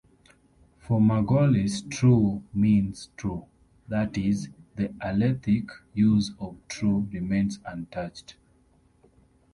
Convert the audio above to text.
For Margolis, "true" means true; that is, the alethic use of "true" remains untouched.